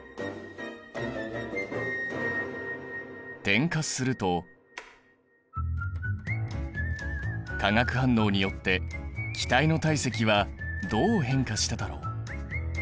点火すると化学反応によって気体の体積はどう変化しただろう？